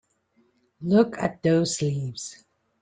Look at those sleeves!